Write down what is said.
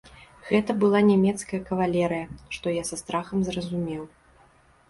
Гэта была нямецкая кавалерыя, што я са страхам зразумеў.